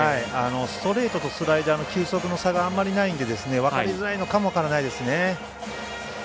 ストレートとスライダーの球速の差があまりないので分かりづらいのかも分からないですね。